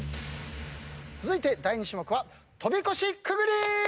続いて第２種目は跳び越しくぐり！